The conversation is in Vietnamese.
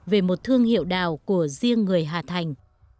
về một thương hiệu đào của riêng người hà thành